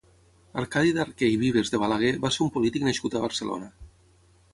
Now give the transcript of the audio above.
Arcadi d'Arquer i Vives de Balaguer va ser un polític nascut a Barcelona.